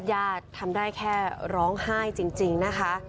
ทำได้แค่ร้องไห้จริงนะคะ